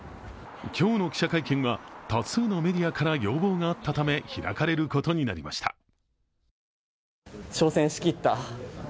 今日の記者会見は、多数のメディアから要望があったため開かれることになりました。